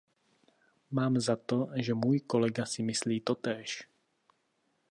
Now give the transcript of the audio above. Mám za to, že můj kolega si myslí totéž.